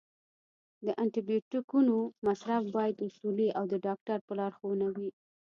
د انټي بیوټیکونو مصرف باید اصولي او د ډاکټر په لارښوونه وي.